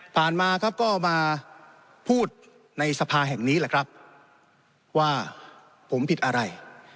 มาครับก็มาพูดในสภาแห่งนี้แหละครับว่าผมผิดอะไร